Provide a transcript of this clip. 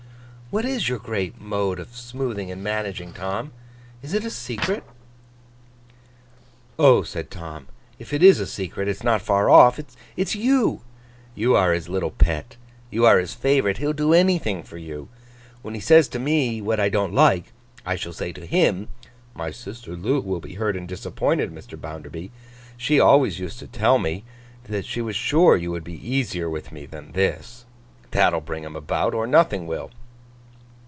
'What is your great mode of smoothing and managing, Tom? Is it a secret?' 'Oh!' said Tom, 'if it is a secret, it's not far off. It's you. You are his little pet, you are his favourite; he'll do anything for you. When he says to me what I don't like, I shall say to him, "My sister Loo will be hurt and disappointed, Mr. Bounderby. She always used to tell me she was sure you would be easier with me than this." That'll bring him about, or nothing will.